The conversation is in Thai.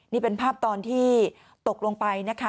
นี่เป็นภาพตอนที่ตกลงไปนะคะ